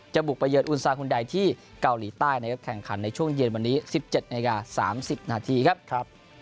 บุกไปเยินอุณซาคุณใดที่เกาหลีใต้นะครับแข่งขันในช่วงเย็นวันนี้๑๗นาที๓๐นาทีครับ